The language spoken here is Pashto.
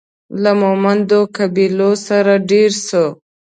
له مومندو قبیلې سره دېره سو.